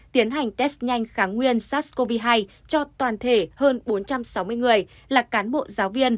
tiến hành test nhanh kháng nguyên sars cov hai cho toàn thể hơn bốn trăm sáu mươi người là cán bộ giáo viên